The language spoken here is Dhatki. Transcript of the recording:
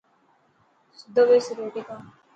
سڌو ٻيسي روٽي کا.